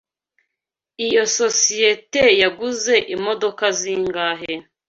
Iyo sosiyete yaguze imodoka zingahe?